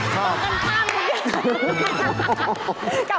ชอบชอบ